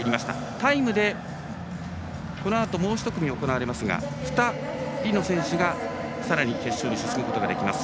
タイムでこのあともう１組行われますが２人の選手がさらに決勝に進むことができます。